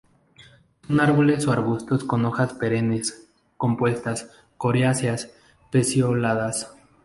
Son árboles o arbustos con hojas perennes, compuestas, coriáceas, pecioladas.